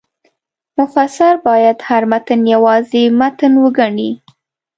مفسر باید هر متن یوازې متن وګڼي.